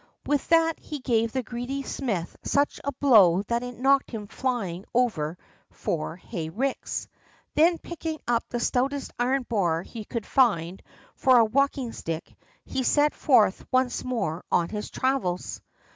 With that he gave the greedy smith such a blow that it knocked him flying over four hay ricks. Then, picking up the stoutest iron bar he could find for a walking stick, he set forth once more on his travels.